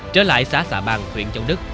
trở lại xã xà bằng huyện châu đức